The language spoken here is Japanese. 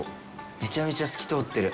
めちゃめちゃ透き通ってる。